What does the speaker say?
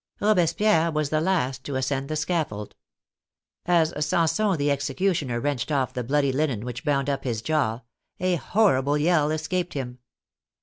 Robespierre was the last to ascend the scaffold. As Samson the executioner wrenched off the bloody linen which bound up his jaw, a horrible yell escaped him.